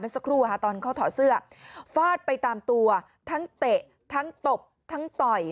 สักครู่ค่ะตอนเขาถอดเสื้อฟาดไปตามตัวทั้งเตะทั้งตบทั้งต่อย